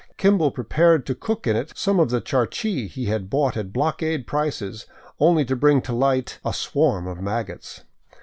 Kimball pre pared to cook in it some of the charqui he had bought at blockade prices, only to bring to light a swarm of maggots.